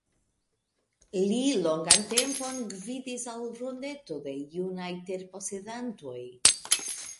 Li longan tempon gvidis al Rondeto de Junaj Terposedantoj.